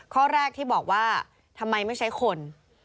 ข้อแรกที่บอกว่าทำไมไม่ใช้คน